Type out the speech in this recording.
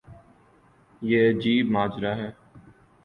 یہ عجیب ماجرا ہے۔